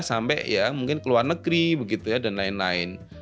sampai ya mungkin ke luar negeri begitu ya dan lain lain